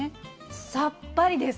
さっぱりです。